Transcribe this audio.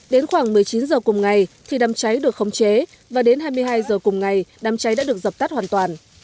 đến khoảng một mươi chín h cùng ngày thì đám cháy được khống chế và đến hai mươi hai h cùng ngày đám cháy đã được dập tắt hoàn toàn